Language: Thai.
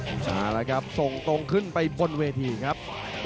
มาแล้วครับส่งตรงขึ้นไปบนเวทีครับ